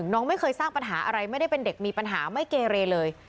น้องไม่เคยสร้างปัญหาอะไรไม่ได้เป็นเด็กมีปัญหาไม่เกเรเลย